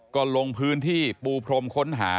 ก็ลงพื้นที่ปูพรมค้นหา